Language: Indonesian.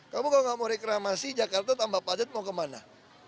kamu kalau nggak mau reklamasi jakarta tambah padat mau kemana